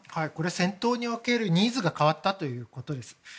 戦闘におけるニーズが変わったということです。